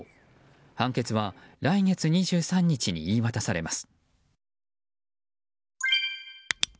判決は来月２３日に言い渡されます。